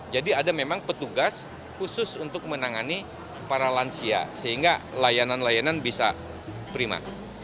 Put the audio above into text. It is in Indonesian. ada memang petugas khusus untuk menangani para lansia sehingga layanan layanan bisa prima